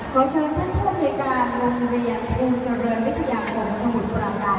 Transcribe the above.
ขอเชิญท่านภูมิในการโรงเรียนภูลเจริญวิทยาคมสมุทรปราการ